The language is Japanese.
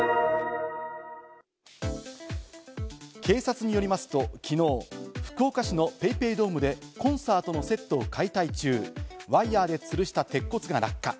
警察によりますときのう、福岡市のＰａｙＰａｙドームでコンサートのセットを解体中、ワイヤで吊るした鉄骨が落下。